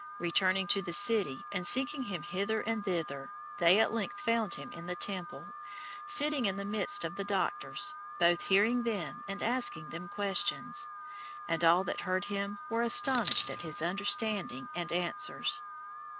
Returning to the city, and seeking him hither and thither, they at length found him in the temple, "sitting in the midst of the doctors, both hearing them, and asking them questions. And all that heard him were astonished at his understanding and answers."